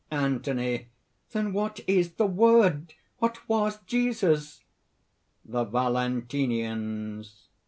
ANTHONY. "Then what is the Word?... What was Jesus?" THE VALENTINIANS.